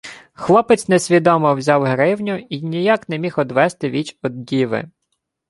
Хлопець несвідомо взяв гривню й ніяк не міг одвести віч од діви.